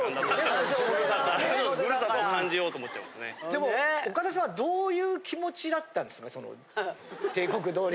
でもオカダさんはどういう気持ちだったんですか？